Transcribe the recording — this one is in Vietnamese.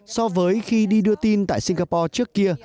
so với khi đi đưa tin tại singapore trước kia